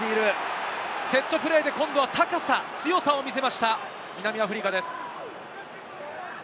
セットプレーで今度は高さ、強さを見せました、南アフリカです。